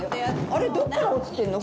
あれどっから落ちてんの？